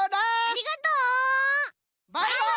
ありがとう！バイバイ！